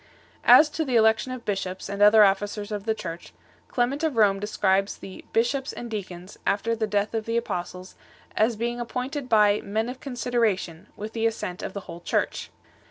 As to the election of bishops and other officers of the Church, Clement of Rome 6 describes the "bishops and deacons," after the death of the apostles, as being ap pointed by " men of consideration " with the assent of the whole Church.